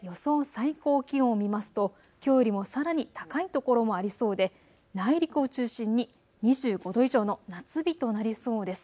最高気温を見ますときょうよりもさらに高い所もありそうで内陸を中心に２５度以上の夏日となりそうです。